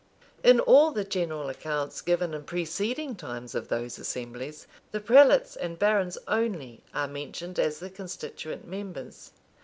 In all the general accounts given in preceding times of those assemblies, the prelates and barons only are mentioned as the constituent members.